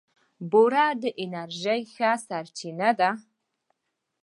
بوره د انرژۍ ښه سرچینه ده.